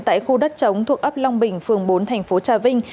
tại khu đất chống thuộc ấp long bình phường bốn thành phố trà vinh